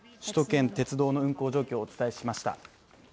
首都圏鉄道の運行状況をお伝えしました。